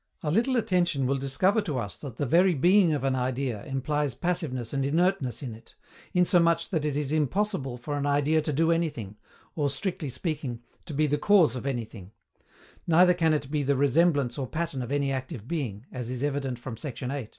A little attention will discover to us that the very being of an idea implies passiveness and inertness in it, insomuch that it is impossible for an idea to do anything, or, strictly speaking, to be the cause of anything: neither can it be the resemblance or pattern of any active being, as is evident from sect. 8.